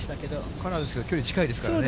カラーですけど、距離は近いですからね。